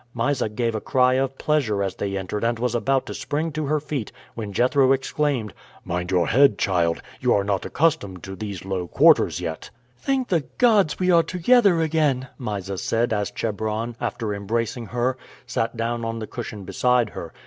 Mysa gave a cry of pleasure as they entered and was about to spring to her feet, when Jethro exclaimed: "Mind your head, child! You are not accustomed to these low quarters yet." "Thank the gods we are together again!" Mysa said as Chebron, after embracing her, sat down on the cushion beside her.